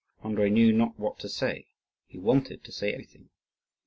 Andrii knew not what to say; he wanted to say everything.